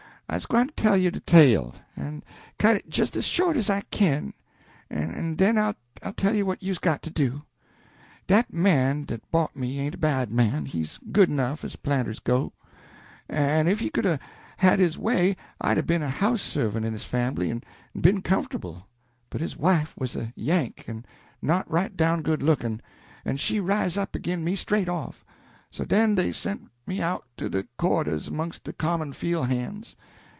I's gwine to tell you de tale, en cut it jes as short as I kin, en den I'll tell you what you's got to do. Dat man dat bought me ain't a bad man; he's good enough, as planters goes; en if he could 'a' had his way I'd 'a' be'n a house servant in his fambly en be'n comfortable: but his wife she was a Yank, en not right down good lookin', en she riz up agin me straight off; so den dey sent me out to de quarter 'mongst de common fiel' han's.